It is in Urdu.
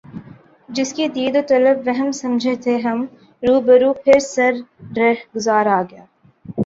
جس کی دید و طلب وہم سمجھے تھے ہم رو بہ رو پھر سر رہ گزار آ گیا